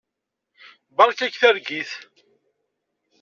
Beṛka-k targit.